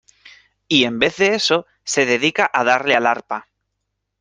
y en vez de eso, se dedica a darle al arpa.